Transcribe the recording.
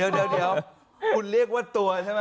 เดี๋ยวคุณเรียกว่าตัวใช่ไหม